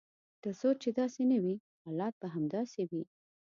تر څو چې داسې نه وي حالات به همداسې وي.